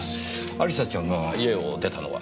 亜里沙ちゃんが家を出たのは？